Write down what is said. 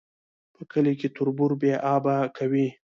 په کلي کي تربور بې آبه کوي